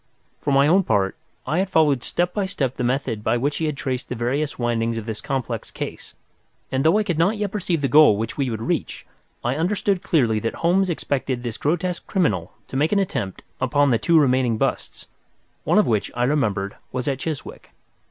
For my own part, I had followed step by step the methods by which he had traced the various windings of this complex case, and, though I could not yet perceive the goal which we would reach, I understood clearly that Holmes expected this grotesque criminal to make an attempt upon the two remaining busts, one of which, I remembered, was at Chiswick.